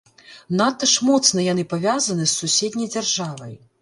Надта ж моцна яны павязаны з суседняй дзяржавай.